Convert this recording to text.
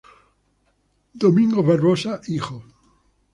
Domingos Barbosa Hijo.